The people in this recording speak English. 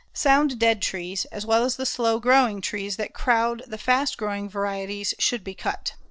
Sound dead trees as well as the slow growing trees that crowd the fast growing varieties should be cut.